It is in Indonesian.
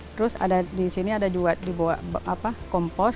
terus di sini ada juga di bawah kompos